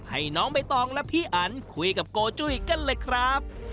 ให้น้องเบตองและพี่อันคุยกับก๋วยเตี๋ยวกันเลยครับ